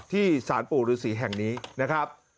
สารปู่ฤษีแห่งนี้นะครับ